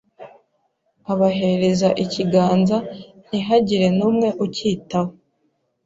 abahereza ikiganza ntihagire n’umwe ucyitaho